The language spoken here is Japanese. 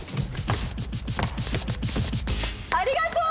ありがとう！